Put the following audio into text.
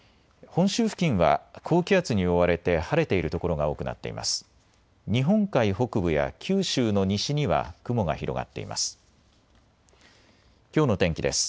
本州付近は高気圧に覆われて晴れている所が多くなっています。